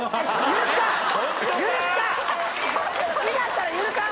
違ったら許さん！